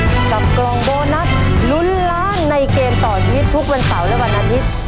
กับกล่องโบนัสลุ้นล้านในเกมต่อชีวิตทุกวันเสาร์และวันอาทิตย์